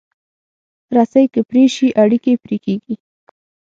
رسۍ که پرې شي، اړیکې پرې کېږي.